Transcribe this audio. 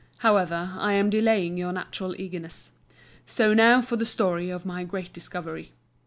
However, I am delaying your natural eagerness. So now for the story of my great discovery.